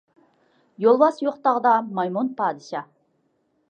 يولۋاس يوق تاغدا مايمۇن پادىشاھ.